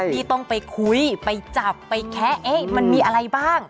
ที่ต้องไปคุยไปจับไปแคะเอ๊ะมันมีอะไรบ้าง